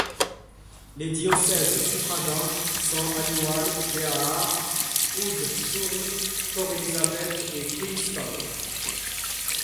Les diocèses suffragants sont Aliwal, De Aar, Oudtshoorn, Port Elizabeth et Queenstown.